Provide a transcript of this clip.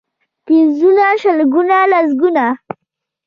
پنځونه، شلګون ، لسګون.